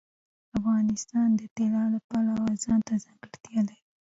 افغانستان د طلا د پلوه ځانته ځانګړتیا لري.